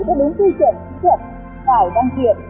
đất đúng tư trận thiệt tải đăng kiện